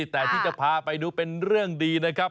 แต่ที่จะพาไปดูเป็นเรื่องดีนะครับ